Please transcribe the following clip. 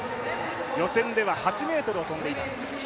予選では８ｍを跳んでいます。